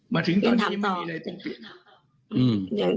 มาถึงตอนนี้ไม่มีอะไรต้องเปลี่ยน